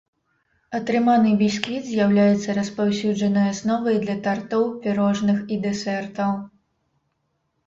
Атрыманы бісквіт з'яўляецца распаўсюджанай асновай для тартоў, пірожных і дэсертаў.